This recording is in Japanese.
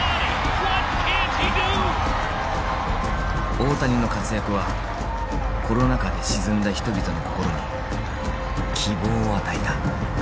大谷の活躍はコロナ禍で沈んだ人々の心に希望を与えた。